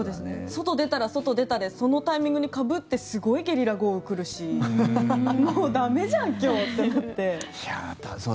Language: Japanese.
外出たら外出たでそのタイミングにかぶってすごいゲリラ豪雨来るしもう駄目じゃん今日ってなって。